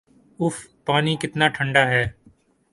if پانی کتنا ٹھنڈا ہے